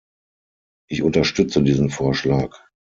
Ich unterstütze diesen Vorschlag.